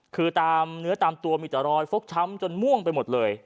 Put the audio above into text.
คือตามเนื้อตามตัวมีแต่รอยฟกช้ำจนม่วงไปหมดเลย